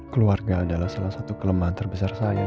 keluarga adalah salah satu kelemahan terbesar saya